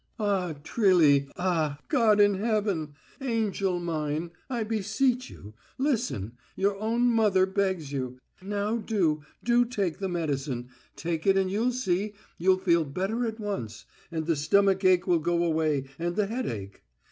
"Ah, Trilly, ah, God in Heaven!... Angel mine, I beseech you, listen, your own mother begs you. Now do, do take the medicine, take it and you'll see, you'll feel better at once, and the stomach ache will go away and the headache.